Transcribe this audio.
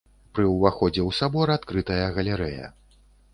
Пры ўваходзе ў сабор адкрытая галерэя.